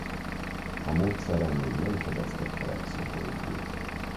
A módszerrel még nem fedeztek fel exobolygót.